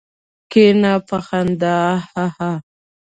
کېنه! په خندا هههه.